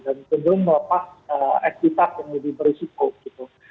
dan kemudian melepas ekspita yang lebih berisiko gitu